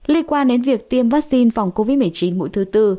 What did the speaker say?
liên quan đến việc tiêm vaccine phòng covid một mươi chín mũi thứ tư